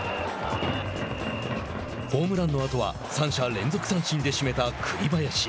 ホームランの後は３者連続三振で締めた栗林。